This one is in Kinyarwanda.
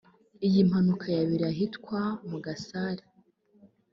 Iyi mpanuka yabereye ahitwa mu Gasare